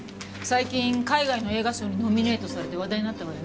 最近海外の映画賞にノミネートされて話題になったわよね。